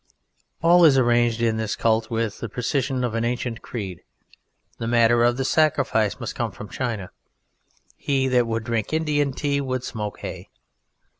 All is arranged in this Cult with the precision of an ancient creed. The matter of the Sacrifice must come from China. He that would drink Indian Tea would smoke hay.